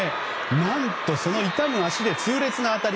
何と、その痛む足で痛烈な当たり。